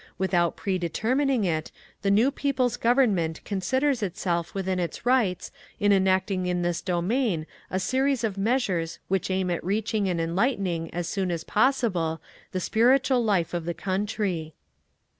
Without pre determining it, the new People's Government considers itself within its rights in enacting in this domain a series of measures which aim at enriching and enlightening as soon as possible the spiritual life of the country.